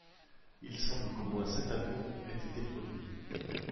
Il semble qu'au moins sept avions aient été produits.